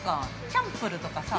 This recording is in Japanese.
チャンプルとかさ。